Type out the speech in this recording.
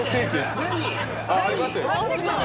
何？